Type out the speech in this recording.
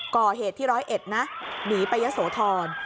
ก่อเหตุที่๑๐๑หนีไปเยอะโสธร